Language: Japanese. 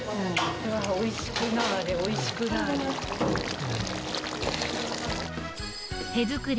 おいしくなーれ、おいしくなーれ。